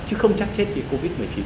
chứ không chắc chết vì covid một mươi chín